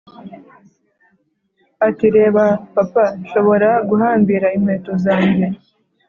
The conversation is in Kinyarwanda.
ati: "reba, papa, nshobora guhambira inkweto zanjye!